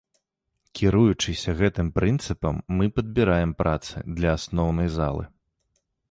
Кіруючыся гэтым прынцыпам, мы падбіраем працы для асноўнай залы.